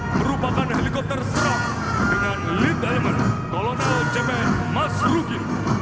merupakan helikopter serang dengan lead element kolonel cpn mas rugi